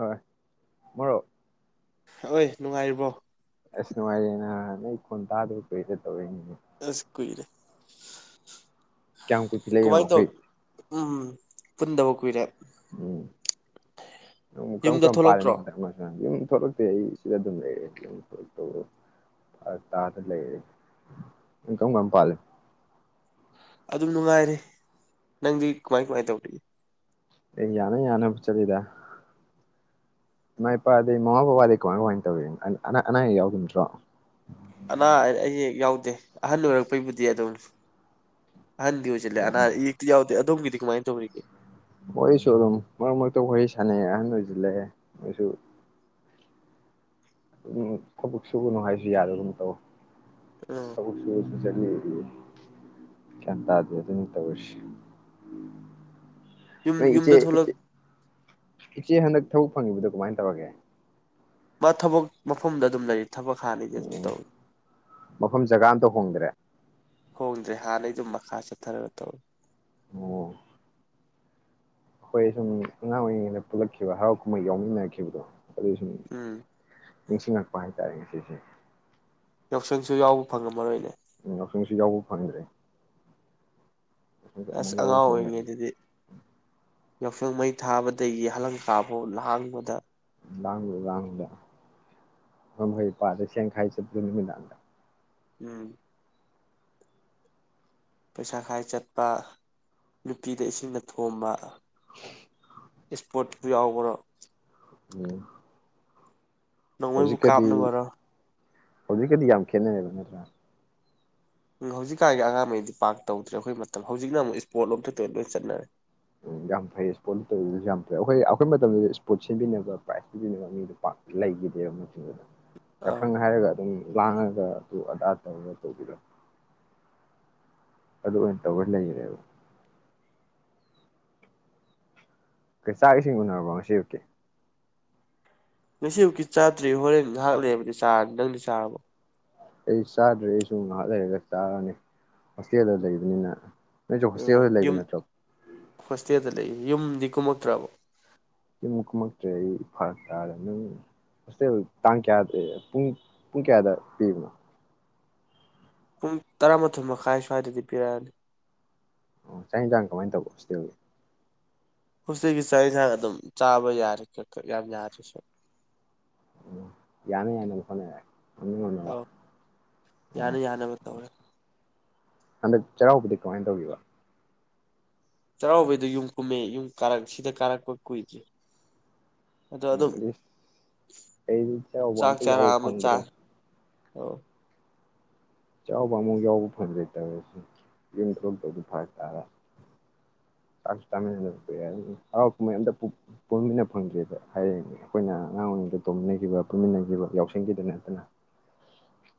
ꯑꯥ ꯃꯔꯨꯞ ꯑꯍꯣꯏ ꯅꯨꯡꯉꯥꯏꯔꯤꯕꯣ ꯑꯁ ꯅꯨꯪꯉꯥꯏꯔꯤ ꯅꯥ ꯅꯣꯏ ꯈꯣꯟ ꯇꯥꯗ ꯀꯨꯏꯔꯦ ꯇꯧꯔꯛꯏꯅꯤ ꯑꯁ ꯀꯨꯏꯔꯦ ꯀꯌꯥꯝ ꯀꯨꯏꯈꯠ ꯂꯛꯏꯅꫭ ꯀꯃꯥꯏꯅ ꯇꯧ ꯍꯨ ꯎꯝ ꯄꯨꯟꯗꯕ ꯀꯨꯏꯔꯦ ꯎꯝ ꯀꯔꯝ ꯌꯨꯝꯗ ꯀꯔꯝꯕ ꯊꯣꯛꯂꯛꯇ꯭ꯔꯣ ꯄꯥꯜꯂꯤꯅꯣꯗ ꯊꯣꯛꯔꯛꯇꯦ ꯑꯩ ꯁꯤꯗ ꯑꯗꯨꯝ ꯂꯩꯔꯦ ꯑꯗꯨꯝꯂꯛꯇ ꯇꯥꯗ ꯂꯩꯔꯦ ꯏꯪ ꯀꯝ ꯀꯔ ꯄꯥꯜꯜꯂꯤꯦ ꯑꯗꯨꯝ ꯅꯨꯡꯉꯥꯏꯔꯦ ꯅꯪꯗꯤ ꯀꯃꯥꯏ ꯀꯃꯥꯏ ꯇꯧꯔꯤ ꯑꯦ ꯌꯥꯅ ꯌꯥꯅꯕ ꯆꯠꯂꯤꯗ ꯏꯃꯥ ꯏꯄꯥꯗꯩ ꯃꯃꯥ ꯕꯕꯥꯗꯩ ꯀꯃꯥꯏ ꯀꯃꯥꯏꯅ ꯇꯧꯋꯤ ꯑ ꯑꯅꯥ ꯑꯌꯦꯛ ꯌꯥꯎꯈꯤꯗꯔ ꯅꯠꯇ꯭ꯔꯣ ꯑꯅꯥ ꯑꯌꯦꯛ ꯌꯥꯎꯗꯦ ꯑꯍꯜ ꯑꯣꯏꯔꯛꯄꯩꯕꯨꯗꯤ ꯑꯗꯨꯝ ꯑꯍꯟꯗꯤ ꯑꫭꯏꯁꯤꯜꯂꯛꯑꯦ ꯑꯅꯥ ꯑꯌꯦꯛ ꯇꯤ ꯌꯥꯎꯗꯦ ꯑꯗꯣꯝꯒꯤꯗꯤ ꯀꯃꯥꯏꯅ ꯇꯧꯔꯤꯒꯦ ꯋꯥꯔꯤꯁꯨ ꯑꯗꯨꯝ ꯃꯔꯛ ꯃꯔꯛꯇ ꯋꯥꯔꯤ ꯁꯥꯟꯅꯩ ꯑꯍꯟ ꯑꯣꯏꯖꯤꯜꯂꯑꯦ ꯃꯣꯏꯁꯨ ꯎꯝ ꯊꯕꯛ ꯁꯨꯒꯅꯨ ꯍꯥꯏꯁꯨ ꯌꯥꯗꯒꯨꯝ ꯇꯧ ꯎꯝ ꯊꯕꯛ ꯁꯨꯕꯁꯨ ꯆꯠꯂꯤ ꯒ꯭ꯌꯥꯟ ꯇꯥꯗꯦ ꯑꯗꯨꯅꯤ ꯇꯧꯔꯁꯤ ꯌꯨꯝ ꯏꯆꯦ ꯌꯨꯝꯗ ꯊꯣꯛꯂꯛ ꯏꯆꯦ ꯏꯆꯦ ꯍꯟꯗꯛ ꯊꯕꯛ ꯐꯪꯉꯤꯕꯗꯨ ꯀꯃꯥꯏꯅ ꯇꯧꯔꯒꯦ ꯃꯥ ꯊꯕꯛ ꯃꯐꯝꯗ ꯑꯗꯨꯝ ꯂꯩꯔꯤ ꯊꯕꯛ ꯍꯥꯟꯅꯩꯗꯤ ꯎꯝ ꯑꯗꯨꯝ ꯎꯝ ꯇꯧꯋꯤ ꯃꯐꯝ ꯖꯒꯥ ꯑꯝꯇ ꯍꯣꯡꯗ꯭ꯔꯦ ꯍꯣꯡꯗ꯭ꯔꯦ ꯍꯥꯟꯅꯩ ꯑꯗꯨꯝ ꯃꯈꯥ ꯆꯠꯊꯔꯒ ꯇꯧꯋꯤ ꯑꯣ ꯍꯣꯏ ꯁꯨꯝ ꯑꯉꯥꯡ ꯑꯣꯏꯔꯤꯉꯩꯗ ꯄꯨꯜꯂꯛꯈꯤꯕ ꯍꯔꯥꯎ ꯀꯨꯝꯍꯩ ꯌꯥꯎꯃꯤꯟꯅꯔꯈꯤꯕꯗꯣ ꯑꯗꯨꯁꯨꯝ ꯎꯝ ꯅꯤꯡꯁꯤꯡꯉꯛꯄ ꯍꯥꯏꯇꯥꯔꯦ ꯉꯁꯤꯁꯦ ꯌꯥꯎꯁꯪꯁꯨ ꯌꯥꯎꯕ ꯐꯪꯉꯝꯃꯔꯣꯏꯅꯦ ꯌꯥꯎꯁꯪꯁꯨ ꯌꯥꯎꯕ ꯐꯪꯗ꯭ꯔꯦ ꯌꯥꯎꯁꯪꯁꯨ ꯑꯁ ꯑꯃꯨꯛ ꯌꯥꯎꯕ ꯑꯉꯥꯡ ꯐꯪꯗ꯭ꯔꯦ ꯑꯣꯏꯔꯤꯉꯩꯗꯨꯗꯤ ꯌꯥꯎꯁꯪ ꯃꯩ ꯊꯥꯕꯗꯒꯤ ꯍꯂꯪꯀꯥꯐ ꯂꯍꯥꯡꯕꯗ ꯂꯥꯡꯕꯗ ꯂꯥꯡꯗ ꯉꯍꯩꯄꯥꯗ ꯁꯦꯡꯈꯥꯏ ꯆꯠꯇ꯭ꯔꯨ ꯅꯨꯃꯤꯗꯥꯡꯗ ꯎꯝ ꯄꯩꯁꯥ ꯈꯥꯏ ꯆꯠꯄ ꯅꯨꯄꯤꯗ ꯏꯁꯤꯡꯅ ꯊꯣꯝꯕ ꯏꯁꯄꯣꯔꯠꯨ ꯌꯥꯎꯕ꯭ꯔꯣ ꯎꯝ ꯅꯪꯉꯣꯏꯕꯨ ꯍꯧꯖꯤꯛꯀꯗꯤ ꯀꯥꯞꯅꯦꯕꯔ ꯍꯧꯖꯤꯛꯀꯗꯤ ꯌꯥꯝ ꯈꯦꯠꯅꯔꯕ ꯅꯠꯇ꯭ꯔꯥ ꯎ ꯍꯧꯖꯤꯛꯀꯥꯟꯒꯤ ꯑꯉꯥꯡꯉꯩꯗꯤ ꯄꯥꯛ ꯇꯧꯗ꯭ꯔꯦ ꯑꯩꯈꯣꯏ ꯃꯇꯝ ꯍꯧꯖꯤꯛꯅ ꯑꯃꯨꯛ ꯏꯁꯄꯣꯔꯠ ꯂꯣꯝꯇ ꯂꯣꯏ ꯆꯠꯅꯔꯦ꯫ ꯎꯝ ꯌꯥꯝ ꯐꯩ ꯏ꯭ꯁꯄꯣꯔꯠ ꯇꯧꯕꯁꯨ ꯌꯥꯝ ꯐꯩ ꯑꯩꯈꯣꯏ ꯑꯩꯈꯣꯏ ꯃꯇꯝꯗ ꯏꯁꯄꯣꯔꯠ ꯁꯤꯟꯕꯤꯅꯕ ꯄ꯭ꯔꯥꯏꯖ ꯄꯤꯕꯤꯅꯕ ꯃꯤꯗꯣ ꯄꯥꯛ ꯂꯩꯈꯤꯗꯦꯕ ꯃꯇꯝꯗꯨꯅ ꯑꯧ ꯌꯥꯎꯁꯪ ꯍꯥꯏꯔꯒ ꯑꯗꯨꯝ ꯂꯥꯡꯉꯒ ꯑꯗꯨ ꯑꯗꯥ ꯇꯧꯔꯒ ꯇꯧꯕꯤꯗꯣ ꯑꯗꯨ ꯑꯣꯏꯅ ꯇꯧꯕ ꯂꯩꯈꯔꯦꯕ [unintelligible] ꯀꯩ ꯆꯥꯛ ꯏꯁꯤꯡ ꯎꯅꯔꯕꯣ ꯉꯁꯤ ꯑꯌꯨꯛꯀꯤ ꯉꯁꯤ ꯑꯌꯨꯛꯀꯤ ꯆꯥꯗ꯭ꯔꯤ ꯍꯣꯔꯦꯟ ꯏꯟꯖꯥꯡ ꯂꯦꯝꯃꯗꯤ ꯆꯥꯔꯅꯤ ꯅꯪꯗꯤ ꯆꯥꯔꯕꯣ ꯑꯩ ꯆꯥꯗ꯭ꯔꯦ ꯑꯩꯁꯨ ꯉꯥꯏꯍꯥꯛ ꯂꯩꯔꯒ ꯆꯥꯔꯅꯤ ꯍꯣꯁꯇꯦꯜꯗ ꯂꯩꯕꯅꯤꯅ ꯅꯣꯏꯁꯨ ꯎꯝ ꯍꯣꯁꯇꯦꯜꯗ ꯂꯩꯕ ꯌꯨꯝ ꯅꯠꯇ꯭ꯔꯣ ꯍꯣꯁꯇꯦꯜꯗ ꯂꯩ ꯌꯨꯝꯗꯤ ꯀꯨꯝꯃꯛꯇ꯭ꯔꯕ ꯌꯨꯝ ꯀꯨꯝꯃꯛꯇ꯭ꯔꯦ ꯑꯩ ꯐꯔꯛꯇꯥꯔꯦ ꯅꯪ ꯍꯣꯁꯇꯦꯜ ꯇꯥꯡ ꯀꯌꯥꯗ ꯄꯨꯡ ꯄꯨꯡ ꯀꯌꯥꯗ ꯄꯤꯕꯅꯣ ꯄꯨꯡ ꯇꯔꯥꯃꯥꯊꯣꯏ ꯃꯈꯥꯏ ꯁ꯭ꯋꯥꯏꯗꯗꯤ ꯄꯤꯔꯛꯑꯅꯤ ꯑꯣ ꯆꯥꯛ ꯏꯟꯁꯥꯡ ꯀꯃꯥꯏꯅ ꯇꯧꯕ ꯍꯣꯁꯇꯦꯜꯒꯤ ꯍꯧꯖꯤꯛꯒꯤ ꯆꯥꯛ ꯌꯦꯟꯁꯥꯡ ꯑꯗꯨꯝ ꯆꯥꯕ ꯌꯥꯔꯦ ꯀ ꯌꯥꯝ ꯌꯥꯗꯔꯁꯨ ꯎꯝ ꯌꯥꯅ ꯌꯥꯅꯕ ꯍꯣꯠꯅꯔꯦ ꯉꯝꯅ ꯉꯝꯅꯕ ꯑꯧ ꯑꯣ ꯌꯥꯅ ꯌꯥꯅꯕ ꯇꯧꯔꯦ ꯍꯟꯗꯛ ꯆꯩꯔꯥꯎꯕꯗꯤ ꯀꯃꯥꯏꯅ ꯇꯧꯒꯤꯕ ꯆꯩꯔꯥꯎꯕꯩꯗꯣ ꯌꯨꯝ ꯀꯨꯝꯃꯦ ꯌꯨꯝ ꯀꯥꯔꯛ ꯁꯤꯗ ꯀꯥꯔꯛꯄ ꯀꯨꯏꯗꯔꯤ ꯑꯗꯣ ꯎꯝ ꯑꯗꯨꯝ ꯑꯦꯠꯂꯤꯁ ꯑꯩꯗꯤ ꯆꯩꯔꯥꯎꯕ ꯆꯥꯛ ꯑꯝꯇ ꯆꯥꯔꯥ ꯌꯥꯎꯕ ꯑꯃ ꯆꯥ ꯐꯪꯗ꯭ꯔꯦ ꯑꯥꯎ ꯆꯩꯔꯥꯎꯕ ꯑꯃꯨꯛ ꯌꯥꯎꯕ ꯐꯪꯗꯦ ꯇꯧꯔꯤꯁꯨ ꯌꯨꯝꯊꯣꯛꯇꯧꯕꯁꯨ ꯐꯔꯛ ꯇꯥꯔꯦ ꯆꯥꯛꯁꯨ ꯆꯥꯃꯤꯟꯅꯗꯔꯦ ꯍꯔꯥꯎ ꯀꯨꯝꯍꯩ ꯑꯝꯇ ꯄꯨꯟꯃꯤꯟꯅ ꯐꯪꯗ꯭ꯦꯗ ꯍꯥꯏꯗꯤ ꯑꯩꯈꯣꯏꯅ ꯑꯉꯥꯡ ꯑꯣꯏꯔꯤꯉꯩꯗ ꯇꯧꯃꯤꯟꯅꯈꯤꯕ ꯄꯨꯟꯃꯤꯟꯅꯈꯤꯕ ꯌꯥꯎꯁꯡꯈꯤꯗ ꯅꯠꯇꯅ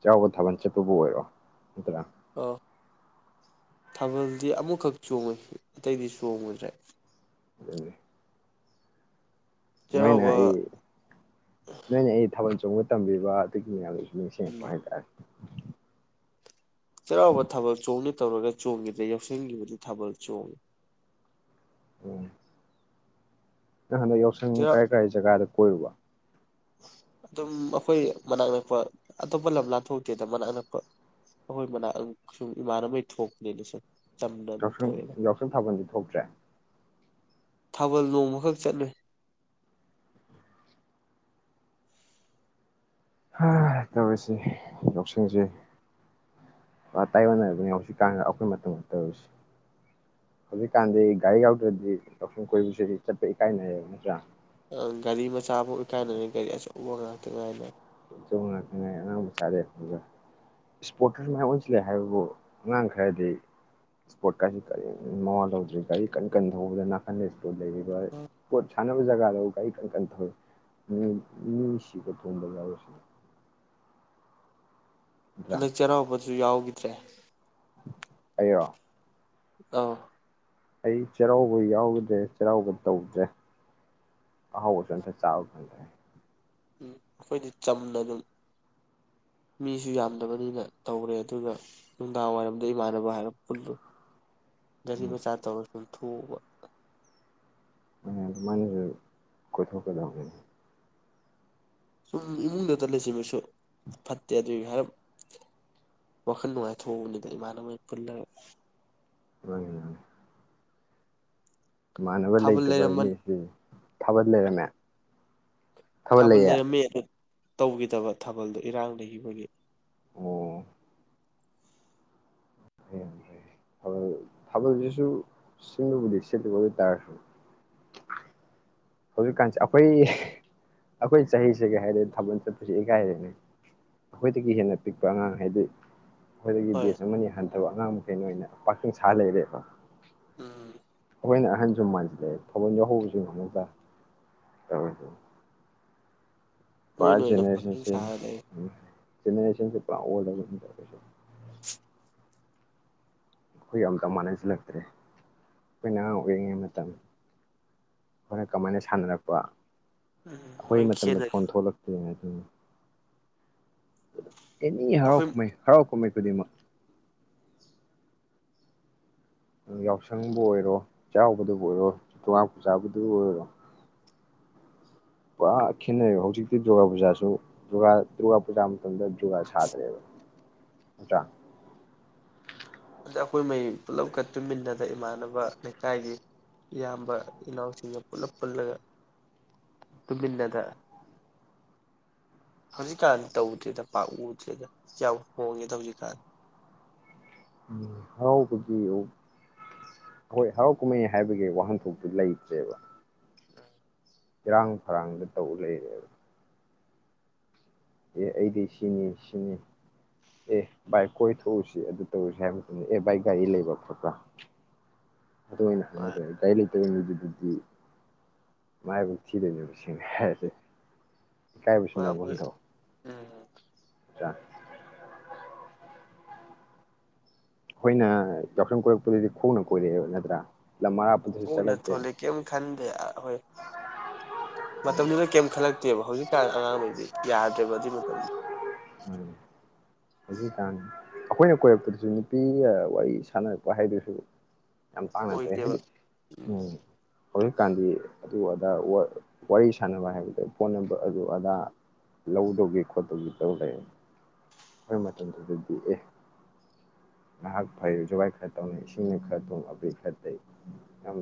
ꯆꯩꯔꯥꯎꯕ ꯊꯥꯕꯜ ꯆꯠꯄꯕꯨ ꯑꯣꯏꯔꯣ ꯅꯠꯇ꯭ꯔꯥ [unintelligible] ꯊꯥꯕꯜꯗꯤ ꯑꯃꯨꯛꯈꯛ ꯆꯣꯡꯉꯨꯏ ꯑꯇꯩꯗꯤ ꯆꯣꯡꯉꯨꯗ꯭ꯔꯦ ꯑꯗꯨꯅꯦ ꯅꯣꯏꯅ ꯆꯩꯔꯥꯎꯕ ꯑꯩ ꯅꯣꯏꯅ ꯑꯩ ꯊꯥꯕꯜ ꯆꯣꯡꯕ ꯇꯝꯕꯤꯕ ꯑꯗꯩ [unintelligible] ꯁꯦꯜ ꯎꯝ ꯄꯥꯏꯗꯦ ꯆꯩꯔꯥꯎꯕ ꯊꯥꯕꯜ ꯆꯣꯡꯅꯤ ꯇꯧꯔꯒ ꯆꯣꯡꯈꯤꯗꯔꯦ ꯌꯥꯎꯁꯡꯒꯤꯕꯨꯗꯤ ꯊꯥꯕꯜ ꯆꯣꯡꯉꯤ ꯎꯝ ꯅꯪ ꯍꯟꯗꯛ ꯌꯥꯎꯁꯪ ꯆꯩꯔꯥꯎ ꯀꯥꯏ ꯀꯥꯏ ꯖꯒꯥꯗ ꯀꯣꯏꯔꯨꯕ ꯑꯗꯨꯝ ꯑꯩꯈꯣꯏ ꯃꯅꯥꯛ ꯅꯛꯄ ꯑꯇꯣꯞꯄ ꯂꯝ ꯂꯥꯟ ꯊꯣꯛꯇꯦꯗ ꯃꯅꯥꯛ ꯅꯛꯄ ꯑꯩꯈꯣꯏ ꯃꯅꯥꯛ ꯁꯨꯝ ꯏꯃꯥꯟꯅꯕꯩ ꯊꯣꯛꯄꯅꯤꯗ ꯁꯨꯨꯝ ꯌꯥꯎꯁꯪ ꯌꯥꯎꯁꯪ ꯊꯥꯕꯜꯗꯤ ꯊꯣꯛꯇ꯭ꯔꯦ ꯊꯥꯕꯜ ꯅꯣꯡꯃꯈꯛ ꯆꯠꯂꯨꯏ ꯇꯧꯔꯤꯁꯤ ꯌꯥꯎꯁꯪꯁꯦ ꯄꯨꯔꯥ ꯇꯥꯏꯌꯣꯟꯅꯔꯕꯅꯤ ꯍꯧꯖꯤꯛꯀꯥꯟꯒ ꯑꯩꯈꯣꯏ ꯃꯇꯝꯗ ꯇꯧꯔꯤꯁꯤ ꯍꯧꯖꯤꯛꯀꯥꯟꯗꯤ ꯒꯥꯔꯤ ꯌꯥꯎꯗ꯭ꯔꯗꯤ ꯌꯥꯎꯁꯪ ꯀꯣꯏꯕꯁꯤꯗꯤ ꯆꯠꯄ ꯏꯀꯥꯏꯅꯩꯌꯦꯕ ꯅꯠꯇ꯭ꯔꯥ? ꯒꯥꯔꯤ ꯃꯆꯥꯕꯨ ꯏꯀꯥꯏꯅꯔꯦ ꯒꯥꯔꯤ ꯑꯆꯧꯕ ꯉꯥꯛꯇ ꯉꯥꯏꯅ ꯉꯥꯏ ꯑꯉꯥꯡ ꯃꯆꯥ ꯑꯗꯨꯒ ꯏꯁꯄꯣꯔꯠꯇꯁꯨ ꯃꯥꯏꯌ ꯑꯣꯟꯁꯤꯜꯂꯦ ꯍꯥꯏꯕꯕꯨ ꯑꯉꯥꯡ ꯈꯔꯗꯤ ꯏꯁꯄꯣꯔꯠꯀꯁꯤ ꯀꯔꯤꯝ ꯃꯋꯥ ꯂꯧꯗ꯭ꯔꯤ ꯒꯥꯔꯤ ꯀꯟ ꯀꯟ ꯊꯧꯕꯗ ꯅꯥꯀꯟꯗ ꯏꯁꯄꯣꯔꯠ ꯂꯩꯔꯤꯕ ꯏꯁꯄꯣꯔꯠ ꯁꯥꯟꯅꯕ ꯖꯒꯥꯗ ꯒꯥꯔꯤ ꯀꯟ ꯀꯟꯅ ꯊꯧꯋꯦ ꯃꯤ ꯁꯤꯕ ꯊꯣꯝꯕ ꯌꯥꯔꯤꯁꯦ ꯅꯠꯇ꯭ꯔꯥ ꯍꯟꯗꯛ ꯆꯩꯔꯥꯎꯕꯗ ꯨ [unintelligible] ꯌꯥꯎꯈꯤꯗ꯭ꯔꯦ ꯑꯩꯔꯣ ꯑꯧ ꯑꯩ ꯆꯩꯔꯥꯎꯕ ꯌꯥꯎꯗ꯭ꯔꯦ ꯆꯩꯔꯥꯎꯕ ꯇꯧꯗ꯭ꯔꯦ ꯑꯍꯥꯎꯕꯁꯨ ꯑꯝꯊ ꯆꯥꯕ ꯐꯪꯗꯦ ꯑꯩꯈꯣꯏꯗꯤ ꯆꯝꯅ ꯑꯗꯨꯝ ꯃꯤꯁꯨ ꯌꯥꯝꯗꯕꯅꯤꯅ ꯇꯧꯔꯦ ꯑꯗꯨꯒ ꯅꯨꯡꯗꯥꯡ ꯋꯥꯏꯔꯝꯗ ꯏꯃꯥꯟꯅꯕ ꯍꯥꯏꯔꯞ ꯄꯨꯟꯂ ꯒꯥꯔꯤ ꯎꯝ ꯃꯆꯥ ꯇꯧꯔꯒ ꯆꯨꯝꯊꯣꯛꯕ ꯃꯅꯤ ꯀꯣꯏꯊꯣꯛ ꯀꯗꯕꯅꯦ ꯁꯨꯝ ꯏꯃꯨꯡꯗꯇ ꯂꯩꯁꯤꯃꯁꯨ ꯐꯠꯇꯦ ꯑꯗꯨꯒꯤ ꯍꯥꯏꯔꯞ ꯋꯥꯈꯜ ꯅꯨꯡꯉꯥꯏꯊꯣꯛꯎꯕꯅꯤꯗ ꯏꯃꯥꯟꯅꯕꯃꯩ ꯄꯨꯜꯂꯒ ꯃꯥꯅꯤ ꯃꯥꯅꯤ ꯏꯃꯥꯟꯅꯕ ꯊꯥꯕꯜ ꯂꯩꯇꯕ ꯂꯩꯔꯝꯕ ꯃꯤꯁꯤ ꯊꯥꯕꯜ ꯂꯩꯔꯝꯃꯦ ꯊꯥꯕꯜ ꯂꯩꯔꯝꯃꯦ ꯇꯧꯈꯤꯗꯕ ꯊꯥꯕꯜꯗꯣ ꯏꯔꯥꯡ ꯂꯩ ꯒꯤꯕꯒꯤ ꯑꯣ ꯊꯥꯕꯜ ꯊꯥꯕꯜꯁꯤꯁꯨ ꯁꯤꯟꯕꯕꯨꯗꯤ ꯁꯤꯜꯂꯦ ꯑꯗꯨ ꯑꯣꯏ ꯇꯔ꯭ꯖꯨ ꯍꯧꯖꯤꯛ ꯀꯥꯟꯁꯤ ꯑꯩꯈꯣꯏ ꯑꯩꯈꯣꯏ ꯆꯍꯤꯁꯤꯒ ꯍꯥꯏꯔꯗꯤ ꯊꯥꯕꯟ ꯆꯠꯄꯁꯤ ꯏꯀꯥꯏꯔꯦꯅꯦ ꯑꯩꯈꯣꯏ ꯗꯒꯤ ꯄꯤꯛꯄ ꯑꯉꯥꯡ ꯍꯥꯏꯗꯤ ꯑꯩꯈꯣꯏ ꯗꯒꯤ ꯍꯣꯏ ꯕꯦꯁ ꯑꯃꯅꯤ ꯍꯟ ꯍꯥꯏꯕ ꯑꯉꯥꯡ ꯃꯁꯦꯟ ꯑꯣꯏꯅ ꯄꯈꯪꯁꯥ ꯂꯩꯔꯦꯕ ꯎꯝ ꯑꯩꯈꯣꯏꯅ ꯑꯍꯟꯁꯨ ꯃꯟꯖꯜꯂꯛꯑꯦ ꯍꯧꯕꯝꯁꯨ ꯍꯧꯕꯁꯨ ꯉꯝꯍꯧꯗ [inaudible] ꯄꯨꯔ ꯃꯣꯏꯅ ꯑꯣꯏꯅ ꯄꯥꯈꯪ ꯁꯥꯔ ꯂꯩ ꯒꯦꯅꯦꯔꯁꯑꯣꯟꯖꯦ ꯄꯥꯑꯣꯏꯂꯕꯅꯦ ꯇꯧꯔꯤꯁꯦ [inaudible] [unintelligible] ꯑꯩꯈꯣꯏꯒ ꯑꯝꯀ ꯃꯅꯁꯜꯂꯛꯇꯔ꯭ꯦ ꯑꯩꯈꯣꯏꯅ ꯑꯉꯥꯡ ꯑꯣꯏꯔꯤꯉꯩ ꯃꯇꯝ ꯑꯩꯈꯣꯏꯅ ꯀꯃꯥꯏ ꯁꯥꯅꯥꯔꯛꯄ ꯎꯝ ꯑꯩꯈꯣꯏ ꯂꯣꯏ ꯃꯇꯝꯗ ꯈꯦꯠꯅꯔꯦ ꯐꯣꯟ ꯊꯣꯛꯂꯛꯇꯦ ꯑꯗꯨꯅꯤ ꯑꯦꯅꯤ ꯑꯩꯈꯣꯏ ꯍꯔꯥꯎꯀꯨꯃꯩ ꯍꯔꯥꯎꯀꯨꯃꯩ ꯈꯨꯗꯤꯡꯃꯛ ꯌꯥꯎꯁꯡꯕꯨ ꯑꯣꯏꯔꯣ ꯆꯩꯔꯥꯎꯕꯗꯕꯨ ꯑꯣꯏꯔꯣ ꯗꯨꯔꯒꯥ ꯄꯨꯖꯥꯕꯨꯗꯨ ꯑꯣꯏꯔꯣ ꯄꯨꯔꯥ ꯈꯦꯟꯅꯩꯕ ꯍꯧꯖꯤꯛꯇꯤ ꯗꯨꯔꯒꯥꯄꯨꯖꯁꯨ ꯗꯨꯔꯒꯥꯄꯨꯖꯥ ꯃꯇꯝꯗ ꯖꯨꯒꯥ ꯁꯗ꯭ꯔꯦꯕ ꯅꯥꯠꯇ꯭ꯥꯔ ꯑꯩꯈꯣꯏ ꯃꯔꯤ ꯄꯨꯂꯞꯀ ꯇꯨꯝꯃꯤꯟꯅꯗ ꯏꯃꯥꯟꯅꯕ ꯂꯩꯀꯥꯏꯒꯤ ꯏꯌꯥꯝꯕ ꯏꯅꯥꯎꯁꯤꯡꯒ ꯄꯨꯂꯞ ꯄꯨꯜꯂꯒ ꯇꯨꯝꯃꯤꯟꯅꯒ ꯍꯧꯖꯤꯛꯀꯥꯟꯗꯤ ꯇꯧꯗ꯭ꯔꯦꯗ ꯄꯥꯛꯅ ꯌꯥꯝ ꯍꯣꯡꯉꯦꯗ ꯍꯧꯖꯤꯛꯀꯥꯟꯗꯤ ꯎꯝ ꯍꯔꯥꯎꯕꯒꯤꯑꯣ ꯑꯈꯣꯏ ꯍꯔꯥꯎ ꯀꯨꯃꯩ ꯍꯥꯏꯕꯒꯤ ꯋꯥꯍꯟ ꯊꯣꯛꯇꯤ ꯂꯩꯇ꯭ꯔꯦꯕ ꯏꯔꯥꯡ ꯐꯔꯥꯡꯗ ꯇꯧꯂꯩꯔꯦꯕ ꯑꯦ ꯑꯩꯗꯤ ꯁꯤꯅꯤ ꯁꯤꯅꯤ ꯑꯦ ꯕꯥꯏ ꯀꯣꯏꯊꯣꯛꯎꯁꯦ ꯑꯗꯨꯇꯧꯔꯨꯁꯦ ꯍꯥꯏꯕ ꯃꯇꯝꯗ ꯑꯦ ꯕꯥꯏ ꯒꯥꯔꯤ ꯂꯩꯕ ꯈꯣꯠꯄ꯭ꯔꯥ ꯑꯗꯨ ꯑꯣꯏꯅ ꯍꯣꯏ ꯍꯪꯂꯩꯔꯦ ꯒꯥꯔꯤ ꯂꯩ ꯇꯩꯗꯕꯨꯗꯤ ꯃꯔꯥꯏꯕꯛ ꯊꯤꯗꯣꯏꯅꯦꯕ ꯁꯦꯡꯅ ꯍꯥꯏꯔꯗꯤ ꯏꯀꯥꯏꯕꯁꯨ ꯍꯣꯏ ꯅꯩꯒꯨꯝ ꯑꯩꯈꯣꯏ ꯊꯧ ꯎꯝ ꯖꯥꯅꯤ ꯈꯣꯏꯅ ꯌꯥꯎꯁꯪ ꯀꯣꯏꯔꯛꯄ ꯗꯗꯤ ꯈꯣꯡꯅ ꯀꯣꯏꯔꯛꯑꯦꯕ ꯅꯠꯇ꯭ꯔ ꯈꯣꯡꯅ ꯊꯣꯛꯂꯛ ꯀꯦꯝ ꯈꯟꯗꯦ ꯑꯥꯈꯣꯏ ꯃꯇꯝꯗꯨꯗ ꯀꯦꯝ ꯈꯜꯂꯛꯇꯦꯕ ꯍꯧꯖꯤꯛ ꯍꯧꯖꯤꯛꯀꯥꯟ ꯑꯉꯥꯡ ꯈꯩꯗꯤ ꯌꯥꯗ꯭ꯔꯦꯕ ꯑꯗꯨꯏ ꯃꯇꯝ ꯎꯝ ꯍꯧꯖꯤꯛꯀꯥꯟ ꯑꯩꯈꯣꯏꯅ ꯀꯣꯏꯔꯛꯄꯗꯁꯨ ꯅꯨꯄꯤ ꯋꯥꯔꯤꯁꯅꯔꯛꯄ ꯍꯥꯏꯗꯨꯁꯨ ꯌꯥꯝ ꯇꯥꯡꯅ ꯊꯣꯛꯑꯦ ꯑꯣꯏꯗꯦꯕ ꯍꯥꯏꯗꯤ ꯎꯝ ꯍꯧꯖꯤꯛꯀꯥꯟꯗꯤ ꯑꯗꯨ ꯑꯗꯥ ꯑꯣꯔ ꯋꯥꯔꯤ ꯁꯥꯟꯅꯕ ꯍꯥꯏꯕꯗꯣ ꯐꯣꯟ ꯅꯝꯕꯔ ꯑꯗꯨ ꯑꯗꯥ ꯂꯧꯗꯧꯒꯤ ꯈꯣꯠꯇꯧꯒꯤ ꯇꯧꯂꯩ ꯈꯣꯏ ꯃꯇꯝ ꯗꯨꯗꯗꯤ ꯑꯦ ꯉꯥꯍꯥꯛ ꯐꯥꯒꯤ ꯖꯣꯒꯥꯏ ꯈꯔ ꯇꯧꯅꯩ ꯏꯁꯤꯡꯅ ꯈꯔ ꯇꯧ ꯑꯕꯦꯔꯅ ꯈꯔ ꯇꯩ ꯌꯥꯝ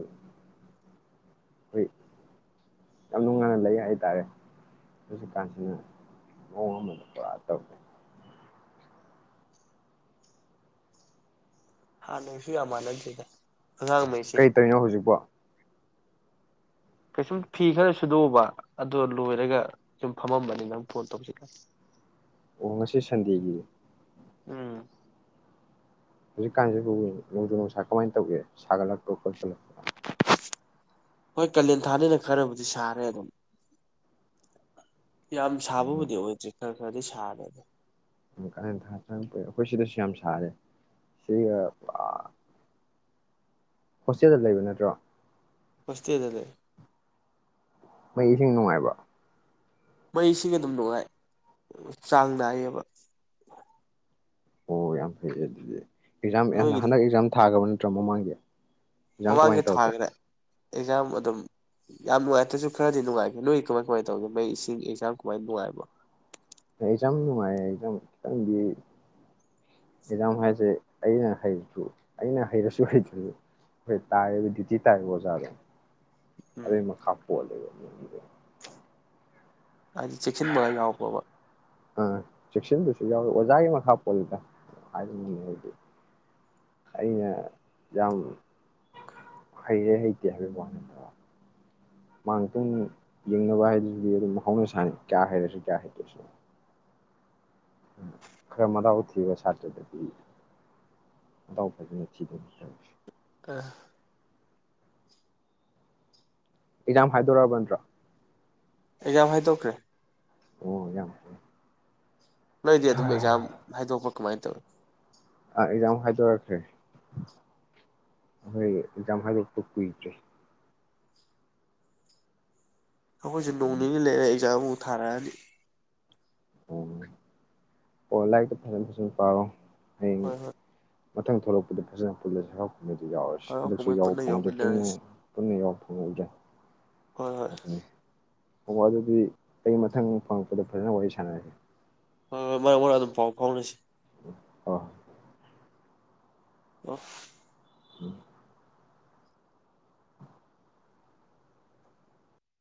ꯌꯥꯝ ꯅꯨꯡꯉꯥꯏꯅ ꯂꯩ ꯍꯥꯏ ꯇꯥꯔꯦ ꯍꯧꯖꯤꯛ ꯀꯥꯟꯁꯤꯅ ꯃꯑꯣꯡ ꯑꯃꯗ ꯄꯨꯔꯥ ꯍꯥꯟꯅꯁꯨ ꯌꯥꯝ ꯃꯥꯟꯅꯗ꯭ꯔꯦꯗ ꯑꯉꯥꯡꯉꯩꯁꯦ ꯀꯩ ꯇꯧꯔꯤꯅꯣ ꯍꯧꯖꯤꯛꯄꯣ ꯀꯩꯁꯨꯝ ꯐꯤ ꯈꯔ ꯁꯨꯗꯣꯛꯎꯕ ꯑꯗꯗꯣ ꯂꯣꯏꯔꯒ ꯁꯨꯝ ꯐꯝꯃꯝꯕꯅꯤ ꯅꯪ ꯐꯣꯟ ꯇꯧꯁꯤꯜꯂꯛꯑꯦ ꯑꯣ ꯉꯁꯤ ꯁꯟꯗꯦꯒꯤ ꯎꯝ ꯍꯧꯖꯤꯛꯀꯥꯟꯁꯤꯕꯨ ꯅꯣꯡꯖꯨ ꯅꯨꯡꯁꯥ ꯀꯃꯥꯏꯅ ꯇꯧꯒꯦ ꯁꯥꯒꯠꯂꯛꯄ ꯈꯣꯠꯄ ꯍꯣꯏ ꯀꯥꯂꯦꯟ ꯊꯥꯅꯤꯅ ꯈꯔꯕꯨꯗꯤ ꯁꯥꯔꯦ ꯑꯗꯨꯝ ꯌꯥꯝ ꯎꯝ ꯁꯥꯕꯕꯨꯗꯤ ꯑꯣꯏꯗ꯭ꯔꯤ ꯈꯔ ꯈꯔꯗꯤ ꯁꯥꯔꯦꯗ ꯑꯩꯈꯣꯏ ꯁꯤꯗꯁꯨ ꯌꯥꯝ ꯁꯥꯔꯦ ꯁꯤꯒ ꯑ ꯍꯣꯁꯇꯦꯜꯗ ꯂꯩꯕ ꯅꯠꯇ꯭ꯔꯣ ꯍꯣꯁꯇꯦꯜꯗ ꯂꯩ ꯃꯩ ꯏꯁꯤꯡ ꯅꯨꯡꯉꯥꯏꯕ꯭ꯔꯣ ꯃꯩꯁꯤꯒ ꯑꯗꯨꯝ ꯅꯨꯡꯉꯥꯏ ꯆꯥꯡ ꯅꯥꯏꯌꯦꯕ ꯑꯣ ꯌꯥꯝ ꯐꯩ ꯑꯗꯨꯗꯤ ꯑꯦꯛꯖꯥꯝ ꯅꯣꯏꯒꯤꯗꯤ ꯍꯟꯗꯛ ꯑꯦꯛꯖꯥꯝ ꯊꯥꯒꯕ ꯇ꯭ꯔ ꯃꯃꯥꯡꯒꯤ ꯑꯦꯛꯖꯥꯝ ꯃꯃꯥꯡꯒꯤ ꯀꯃꯥꯏꯅ ꯇꯧꯔꯛꯀꯦ ꯊꯥꯒ꯭ꯔꯦ ꯑꯦꯛꯖꯥꯝ ꯑꯗꯨꯝ ꯌꯥꯝ ꯅꯨꯡꯉꯥꯏꯇ꯭ꯔꯁꯨ ꯈꯔꯗꯤ ꯅꯨꯡꯉꯥꯏ ꯅꯣꯏ ꯀꯃꯥꯏ ꯀꯃꯥꯏꯅ ꯇꯧꯒꯦ ꯃꯩ ꯏꯁꯤꯡ ꯑꯦꯛꯖꯥꯝ ꯀꯃꯥꯏꯅ ꯅꯨꯡꯉꯥꯏꯕ ꯑꯩꯖꯝ ꯅꯨꯡꯉꯥꯏꯌꯦ ꯖꯥꯝ ꯈꯤꯇꯪꯗꯤ ꯑꯦꯛꯖꯥꯝ ꯍꯥꯏꯁꯦ ꯑꯩꯅ ꯍꯩꯔꯁꯨ ꯑꯩꯅ ꯍꯩꯔꯁꯨ ꯍꯩꯗ꯭ꯔꯁꯨ ꯑꯩꯣꯏ ꯇꯥꯔꯦꯔꯤꯕ ꯗ꯭ꯌꯨꯇꯤ ꯇꯥꯔꯦꯕ ꯑꯣꯖꯥꯗꯣ ꯎꯝ ꯑꯗꯨꯏ ꯃꯈꯥ ꯄꯣꯜꯂꯦꯕ ꯎ ꯍꯥꯏꯗꯤ ꯆꯦꯛꯁꯤꯟꯕꯒ ꯌꯥꯎꯕ꯭ꯔꯣꯕ ꯑꯥ ꯆꯦꯛꯁꯤꯟꯕꯁꯨ ꯌꯥꯎꯋꯤ ꯑꯣꯖꯥꯒꯤ ꯃꯈꯥ ꯄꯣꯜꯂꯤꯗ ꯍꯥꯏꯕꯅꯤꯡ ꯍꯥꯏꯗꯤ ꯑꯩꯅ ꯌꯥꯝ ꯍꯩꯔꯦ ꯍꯩꯇꯦ ꯍꯥꯏꯕꯒꯤ ꯋꯥꯅꯠꯇꯕ ꯃꯥꯡꯇ ꯌꯦꯡꯅꯕ ꯍꯥꯏꯗꯨꯗꯤ ꯑꯗꯨꯝ ꯍꯧꯅ ꯁꯥꯅꯤ ꯀꯌꯥ ꯍꯩꯔꯁꯨ ꯀꯌꯥ ꯍꯩꯇ꯭ꯔꯁꯨ ꯎꯝ ꯈꯔ ꯃꯗꯥꯎ ꯊꯤꯕ ꯁꯥꯇ꯭ꯔꯗꯗꯤ ꯃꯗꯥꯎ ꯐꯖꯅ ꯊꯤꯗꯣꯏꯅꯤ ꯑꯥ ꯑꯦꯛꯖꯥꯝ ꯍꯥꯏꯗꯣꯔꯛ ꯑꯕ ꯅꯠꯇ꯭ꯔꯣ ꯑꯦꯖꯥꯝ ꯍꯥꯏꯗ‌ꯣꯛꯈ꯭ꯔꯦ ꯑꯣ ꯌꯥꯝ ꯅꯣꯏꯗꯤ ꯑꯗꯨꯝ ꯑꯥ ꯑꯦꯛꯖꯥꯝ ꯍꯥꯏꯗꯣꯛꯄ ꯀꯃꯥꯏ ꯇꯧꯏ ꯍꯣꯏ ꯑꯦꯛꯖꯥꯝ ꯍꯥꯏꯗꯣꯛꯄ ꯀꯨꯏꯗ꯭ꯔꯤ ꯑꯈꯣꯏꯁꯨ ꯅꯣꯡ ꯅꯤꯅꯤ ꯂꯩꯔꯕ ꯑꯦꯛꯖꯥꯝ ꯑ ꯊꯔꯅꯤ ꯑꯣꯝ ꯑꯣ ꯂꯥꯏꯛꯇꯨ ꯐꯖꯟ ꯐꯖꯟ ꯄꯥꯔꯣ ꯍꯌꯦꯡ ꯍꯣꯏ ꯍꯣꯏ ꯃꯊꯪ ꯊꯣꯛꯂꯛꯄꯗ ꯐꯖꯅ ꯄꯨꯜꯂꯁꯤ ꯍꯔꯥꯎ ꯑꯗꯨꯗꯨ ꯌꯥꯎꯔꯁꯤ ꯍꯔꯥꯎ ꯍꯟꯗꯛꯁꯨ ꯀꯨꯝꯍꯩ ꯌꯥꯎꯕ ꯄꯨꯟꯅ ꯐꯪꯉꯗꯦ ꯄꯨꯟꯅ ꯌꯥꯎꯃꯤꯟꯅꯔꯁꯤ ꯄꯨꯟꯅ ꯌꯥꯎꯕ ꯐꯪꯉꯎꯗꯦ ꯍꯣꯏ ꯍꯣꯏ ꯑꯣ ꯑꯗꯨꯗꯤ ꯑꯩ ꯃꯊꯪ ꯄꯪꯉꯛꯄꯗ ꯐꯖꯅ ꯋꯥꯔꯤ ꯁꯥꯟꯅꯔꯁꯤ ꯍꯣꯏ ꯍꯣꯏ ꯃꯔꯛ ꯃꯔꯛ ꯑꯗꯨꯝ ꯄꯥꯎ ꯐꯥꯎꯅꯁꯤ ꯍ [unintelligible] [unintelligible] ꯎꯝ [unintelligible]